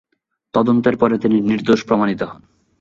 তদন্তের পরে তিনি নির্দোষ প্রমাণিত হন।